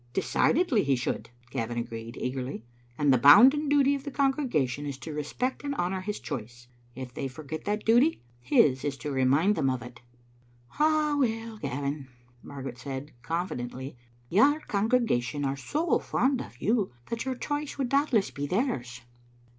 "Decidedly he should," Gavin agreed, eagerly, "and the bounden duty of the congregation is to respect and honour his choice. If they forget that duty, his is to remind them of it." "Ah, well, Gavin," said Margaret, confidently, "your congregation are so fond of you that your choice would doubtless be theirs.